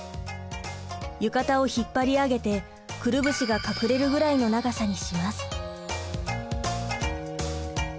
浴衣をひっぱり上げてくるぶしが隠れるぐらいの長さにします。